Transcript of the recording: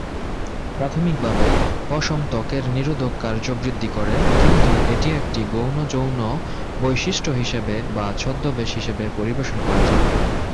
প্রাথমিকভাবে, পশম ত্বকের নিরোধক কার্য বৃদ্ধি করে কিন্তু এটি একটি গৌণ যৌন বৈশিষ্ট্য হিসাবে বা ছদ্মবেশ হিসেবে পরিবেশন করা যাবে।